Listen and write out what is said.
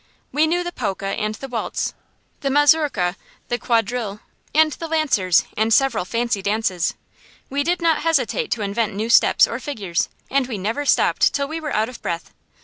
We knew the polka and the waltz, the mazurka, the quadrille, and the lancers, and several fancy dances. We did not hesitate to invent new steps or figures, and we never stopped till we were out of breath.